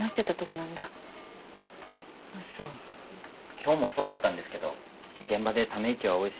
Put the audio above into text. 今日もそうだったんですけど現場でため息は多いし